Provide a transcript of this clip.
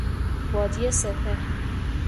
وادی سپر